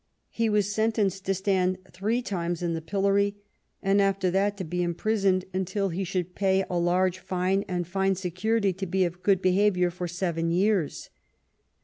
He was sentenced to stand three times in the pillory, and after that to be imprisoned until he should pay a large fine and find security to be of good behavior for seven years.